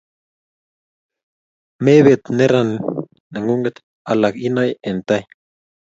mepet neran nengung' alak inae eng' tai